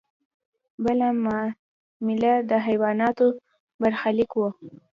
بله معامله د حیواناتو برخلیک و.